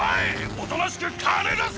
おとなしく金出せ」